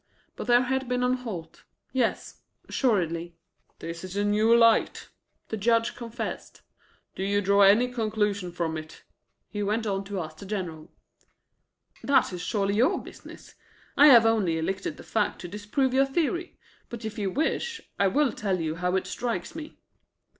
But there had been a halt. Yes, assuredly. "This is a new light," the Judge confessed. "Do you draw any conclusion from it?" he went on to ask the General. "That is surely your business. I have only elicited the fact to disprove your theory. But if you wish, I will tell you how it strikes me."